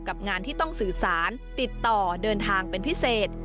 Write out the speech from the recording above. งานที่ต้องสื่อสารติดต่อเดินทางเป็นพิเศษ